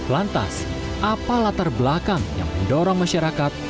lantas apa latar belakang yang mendorong masyarakat